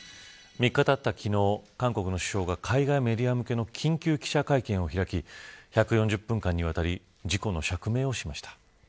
３日たった昨日、韓国の首相が海外メディア向けの緊急記者会見を開き１４０分間にわたり事故の釈明をしました。